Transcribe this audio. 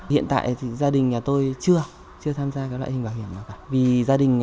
hiện tại thì gia đình nhà tôi chưa chưa tham gia các loại hình bảo hiểm nào cả